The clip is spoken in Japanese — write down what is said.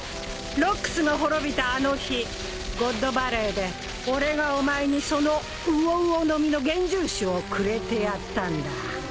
ロックスが滅びたあの日ゴッドバレーで俺がお前にそのウオウオの実の幻獣種をくれてやったんだ。